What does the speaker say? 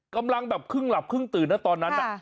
กำลังแบบครึ่งหลับครึ่งตื่นนะตอนนั้น